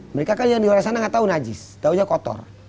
mereka kan yang di luar sana nggak tahu najis tahunya kotor